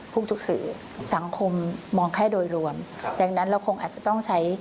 ทุกสื่อสังคมมองแค่โดยรวมดังนั้นเราคงอาจจะต้องใช้